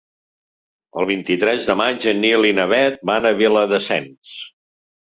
El vint-i-tres de maig en Nil i na Bet van a Viladasens.